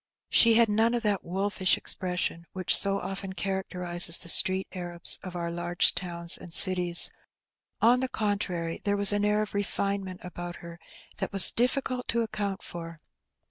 She had none of that wolfish expression which so often characterizes the street Arabs of our large towns and cities; on the contrary, there was an air of refinement about her that was difficult to account for.